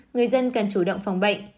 người dân cần chủ động phòng bệnh